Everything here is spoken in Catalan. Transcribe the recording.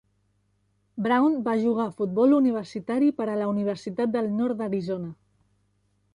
Brown va jugar a futbol universitari per a la Universitat del Nord d'Arizona.